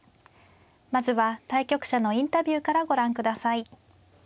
まずは対局者のインタビューからご覧ください。